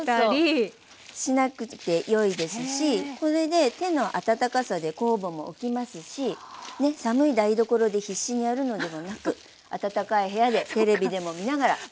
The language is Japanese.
しなくってよいですしこれで手の温かさで酵母もおきますし寒い台所で必死にやるのではなく暖かい部屋でテレビでも見ながら。